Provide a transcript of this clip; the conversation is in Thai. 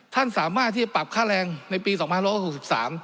ท่านสามารถที่จะปรับค่าแรงในปีศพ๒๖๖๓